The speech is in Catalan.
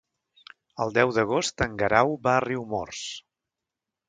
El deu d'agost en Guerau va a Riumors.